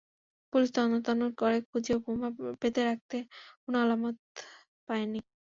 Police তন্ন তন্ন করে খুঁজেও বোমা পেতে রাখার কোনো আলামত পায়নি।